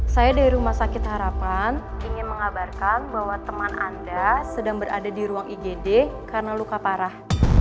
saya dari rumah sakit harapan ingin mengabarkan bahwa teman anda sedang berada di ruang igd karena luka parah